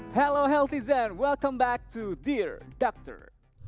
halo healthy zen selamat datang kembali di dear doctor